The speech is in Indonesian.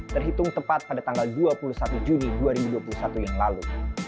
terhitung tepat pada tanggal dua puluh satu juni dua ribu dua puluh satu yang lalu